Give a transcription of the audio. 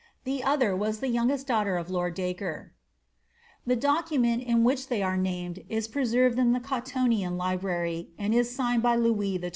The other was the youngest daughter of lord Dacre. The document in which they are named is preserved in the Cottonian Library, and is signed by Louis XII.